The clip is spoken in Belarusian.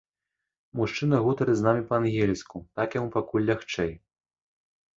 Мужчына гутарыць з намі па-ангельску, так яму пакуль лягчэй.